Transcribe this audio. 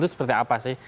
itu seperti apa sih